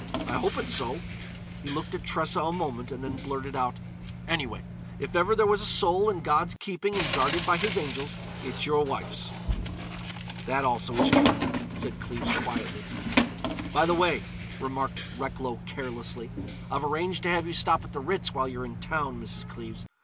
"I hope it's so." He looked at Tressa a moment and then blurted out: "Anyway, if ever there was a soul in God's keeping and guarded by His angels, it's your wife's!" "That also is true," said Cleves quietly. "By the way," remarked Recklow carelessly, "I've arranged to have you stop at the Ritz while you're in town, Mrs. Cleves.